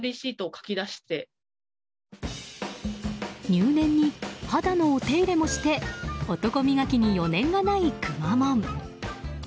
入念に肌のお手入れもして男磨きに余念がないくまモン。